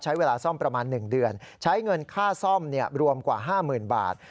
ใช้เวลาซ่อมประมาณ๑เดือนใช้เงินค่าซ่อมรวมกว่า๕๐๐๐บาท